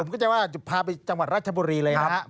ผมก็จะว่าพาไปจังหวัดราชบุรีเลยนะครับ